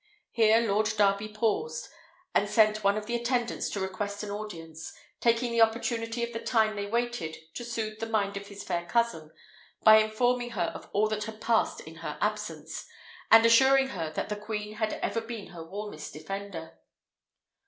Here Lord Darby paused, and sent one of the attendants to request an audience, taking the opportunity of the time they waited to soothe the mind of his fair cousin by informing her of all that had passed in her absence, and assuring her that the queen had ever been her warmest defender.